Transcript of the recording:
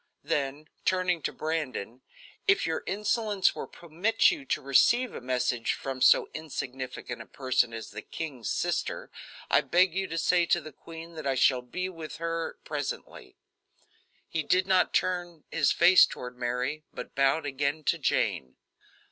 Then turning to Brandon: "If your insolence will permit you to receive a message from so insignificant a person as the king's sister, I beg you to say to the queen that I shall be with her presently." He did not turn his face toward Mary, but bowed again to Jane.